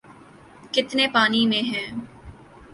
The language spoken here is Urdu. ‘ کتنے پانی میں ہیں۔